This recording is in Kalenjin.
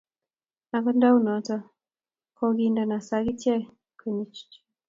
Agot ndaunoto kogindeno sagitek kwenyonikchi